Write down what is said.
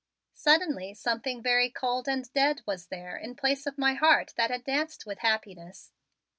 Suddenly something very cold and dead was there in place of my heart that had danced with happiness.